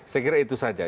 saya kira itu saja